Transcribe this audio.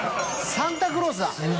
サンタクロースだ。